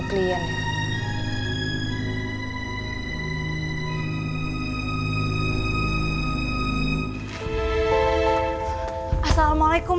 kemana ya mas bram